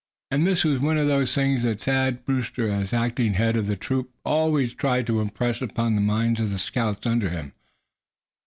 And this was one of the things that Thad Brewster, as acting head of the troop, always tried to impress upon the minds of the scouts under him.